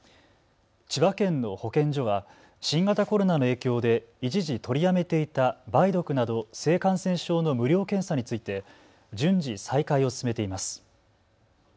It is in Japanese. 千葉県の保健所は新型コロナの影響で一時取りやめていた梅毒など性感染症の無料検査について順次再開を進めています。